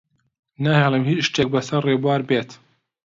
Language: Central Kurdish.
ناهێڵم هیچ شتێک بەسەر ڕێبوار بێت.